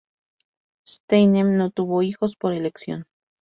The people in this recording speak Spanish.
Steinem no tuvo hijos por elección.